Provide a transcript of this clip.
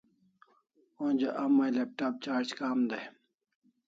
Onja a mai laptop charge kam dai